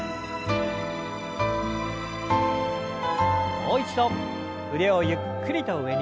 もう一度腕をゆっくりと上に。